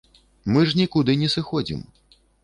Мы ж нікуды не сыходзім!